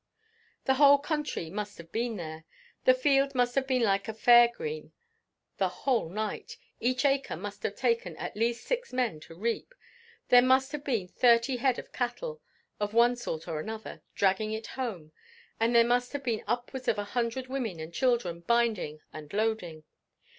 The whole country must have been there the field must have been like a fair green the whole night each acre must have taken at least six men to reap there must have been thirty head of cattle, of one sort or other, dragging it home; and there must have been upwards of a hundred women and children binding and loading.